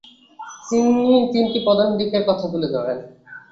তিনি তিনটি প্রধান দিকের কথা তুলে ধরেন।